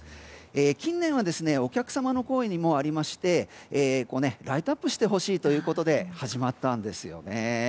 近年はお客様の声にもありましてライトアップしてほしいということで始まったんですね。